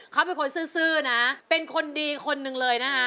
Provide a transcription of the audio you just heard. เขาเป็นคนซื้อนะ